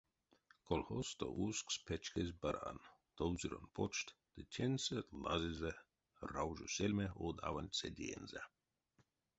Колхозсто усксь печкезь баран, товзюронь почт, ды теньсэ лазызе раужо сельме од аванть седеензэ.